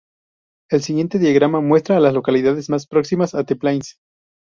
El siguiente diagrama muestra a las localidades más próximas a The Plains.